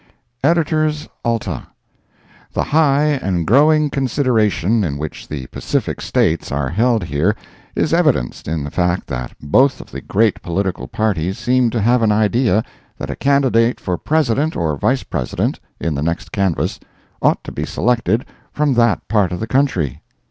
EDITORS ALTA: The high and growing consideration in which the Pacific States are held here is evidenced in the fact that both of the great political parties seem to have an idea that a candidate for President or Vice President, in the next canvas, ought to be selected from that part of the country.